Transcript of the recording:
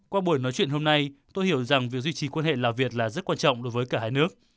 qua buổi nói chuyện hôm nay tôi hiểu rằng việc duy trì quan hệ lào việt là rất quan trọng đối với cả hai nước